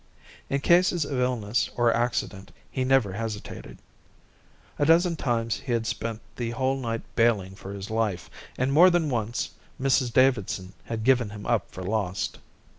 In cases of illness or accident he never hesitated. A dozen times he had spent the whole night baling for his life, and more than once Mrs Davidson had given him up for lost.